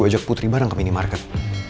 ajak putri bareng ke minimarket